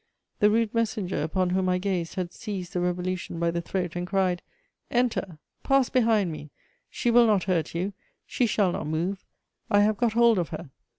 The rude messenger upon whom I gazed had seized the Revolution by the throat and cried: "Enter; pass behind me; she will not hurt you; she shall not move; I have got hold of her!"